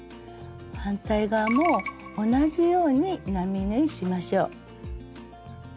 反対側も同じように並縫いしましょう。